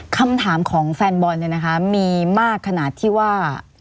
คำถามของแฟนบอลเนี่ยนะคะมีมากขนาดที่ว่า